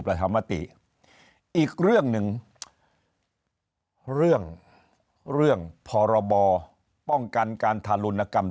ประชามติอีกเรื่องหนึ่งเรื่องเรื่องพรบป้องกันการทารุณกรรม